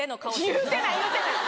言うてない言うてない。